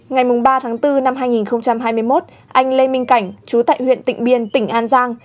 ngày ba tháng bốn năm hai nghìn hai mươi một anh lê minh cảnh chú tại huyện tịnh biên tỉnh an giang